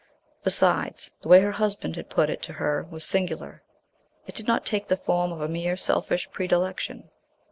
Besides, the way her husband had put it to her was singular. It did not take the form of a mere selfish predilection.